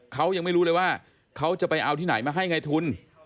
เขายังไม่รู้เลยว่าเขาจะไปเอาที่ไหนมาให้ไงทุน